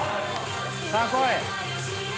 さあこい。